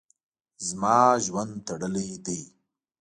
زما ژوند تړلی ده.